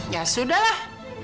ya sudah lah